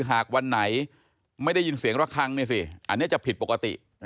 หากวันไหนไม่ได้ยินเสียงระคังเนี่ยสิอันนี้จะผิดปกติ